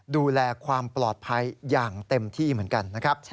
ดูแลความปลอดภัยอย่างเต็มที่เหมือนกันนะครับ